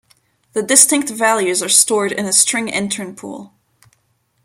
The distinct values are stored in a string intern pool.